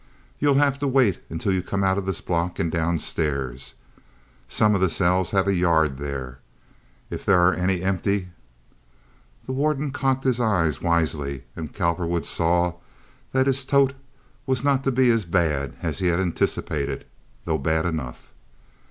You'll have to wait until you come out of this block and down stairs. Some of the cells have a yard there; if there are any empty—" The warden cocked his eye wisely, and Cowperwood saw that his tot was not to be as bad as he had anticipated—though bad enough.